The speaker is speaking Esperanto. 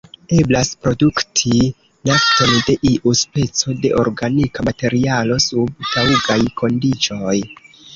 Eblas produkti nafton de iu speco de organika materialo sub taŭgaj kondiĉoj.